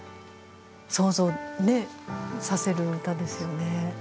想像させる歌ですよね。